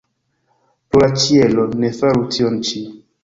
Pro la ĉielo, ne faru tion ĉi!